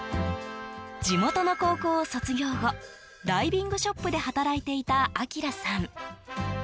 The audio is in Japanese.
地元の高校を卒業後ダイビングショップで働いていた晶さん。